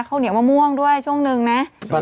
ข้าวเหนียวมะม่วงด้วยช่วงนึงนะ